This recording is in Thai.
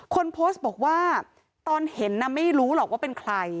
คนโพสต์บอกว่าตอนเห็นน่ะไม่รู้หรอกว่าเป็นใคร